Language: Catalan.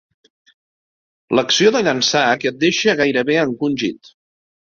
L'acció de llançar que et deixa gairebé encongit.